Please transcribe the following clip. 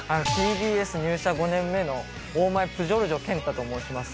ＴＢＳ入社５年目の大前プジョルジョ健太と申します